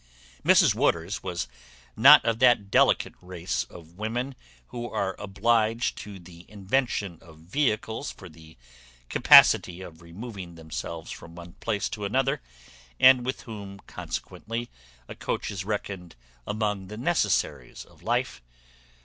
Mrs Waters was not of that delicate race of women who are obliged to the invention of vehicles for the capacity of removing themselves from one place to another, and with whom consequently a coach is reckoned among the necessaries of life.